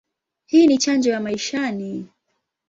Hii ni chanjo ya maishani.